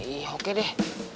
iya oke deh